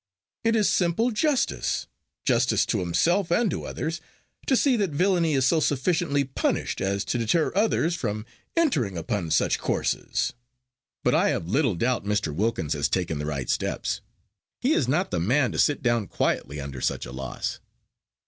It is simple justice justice to himself and to others to see that villainy is so sufficiently punished as to deter others from entering upon such courses. But I have little doubt Mr. Wilkins has taken the right steps; he is not the man to sit down quietly under such a loss."